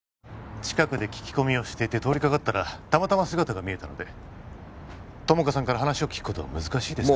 近くで聞き込みをしていて通りかかったらたまたま姿が見えたので友果さんから話を聞くことは難しいですか？